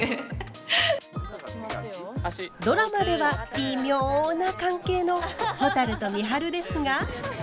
ドラマではビミョな関係のほたると美晴ですが。